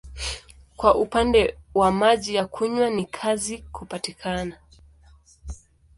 Kwa upande wa maji ya kunywa ni kazi kupatikana.